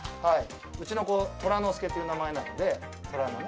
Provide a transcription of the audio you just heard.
うちの子虎之助という名前なのでトラのね。